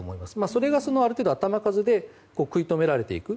それが、ある程度、頭数で食い止められていく。